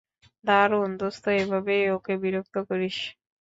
দারুণ দোস্ত, এভাবেই ওকে বিরক্ত করিস।